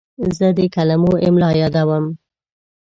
زه د کلمو املا یادوم.